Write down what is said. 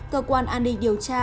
cơ quan an ninh điều tra